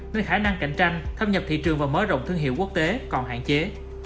nên khả năng cạnh tranh thâm nhập thị trường và mở rộng thương hiệu quốc tế còn hạn chế